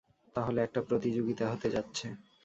তাহলে একটা প্রতিযোগিতা হতে যাচ্ছে।